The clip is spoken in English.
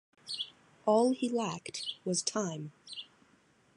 All he lacked was time.